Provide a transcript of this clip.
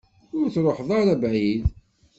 Ur truḥeḍ ara bɛid.